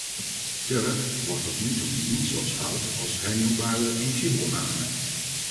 Turf wordt tot nu toe niet zoals hout als hernieuwbare energiebron aangemerkt.